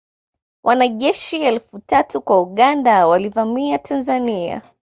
Wanajeshi elfu tatu wa Uganda walivamia Tanzania